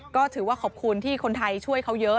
ก็ถือว่าขอบคุณที่คนไทยช่วยเขาเยอะ